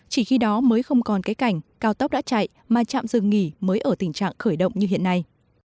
chỉ khi đó mới không còn cái cảnh cao tốc đã chạy mà trạm dừng nghỉ mới ở tình trạng khởi động như hiện nay